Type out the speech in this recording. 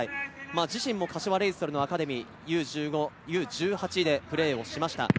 自身も柏レイソルのアカデミーＵ−１２、Ｕ−１５、Ｕ−１８でプレーをしました。